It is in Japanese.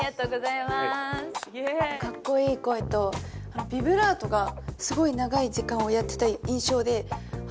かっこいい声とビブラートがすごい長い時間をやってた印象であ